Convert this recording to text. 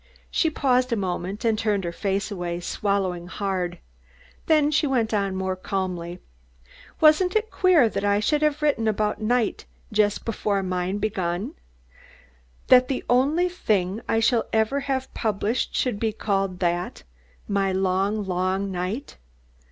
She paused a moment and turned her face away, swallowing hard. Then she went on more calmly. "Wasn't it queer that I should have written about Night, just before mine begun? That the only thing I shall ever have published should be called that? My long, long night!